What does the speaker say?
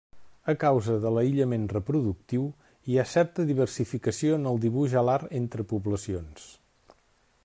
A causa de l'aïllament reproductiu, hi ha certa diversificació en el dibuix alar entre poblacions.